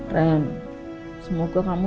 ren semoga kamu